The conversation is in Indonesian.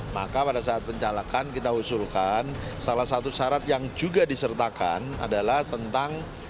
maka pada saat pencalekan kita usulkan salah satu syarat yang juga disertakan adalah tentang